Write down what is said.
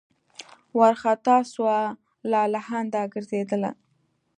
وارخطا سوه لالهانده ګرځېدله